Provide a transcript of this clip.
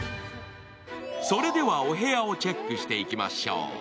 それでは、お部屋をチェックしていきましょう。